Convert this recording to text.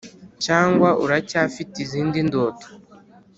cyangwa uracyafite izindi ndoto?